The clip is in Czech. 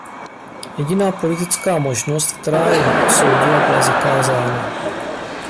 Jediná politická možnost, která je neodsoudila, byla zakázána.